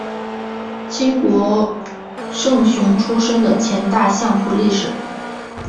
清国胜雄出身的前大相扑力士。